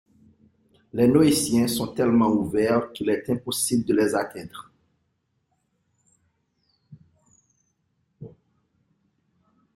Les Noétiens sont tellement ouverts qu’il est impossible de les atteindre.